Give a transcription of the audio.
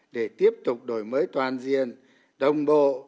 để tiếp tục đổi mới toàn diện đồng bộ